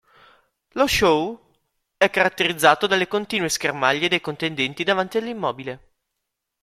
Lo show è caratterizzato dalle continue schermaglie dei contendenti davanti all'immobile.